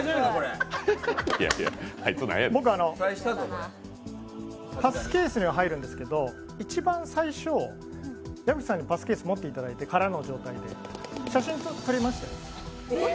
僕、パスケースには入るんですけど、一番最初矢吹さんにパスケース持っていただいて、空の状態で、写真を撮りましたよね。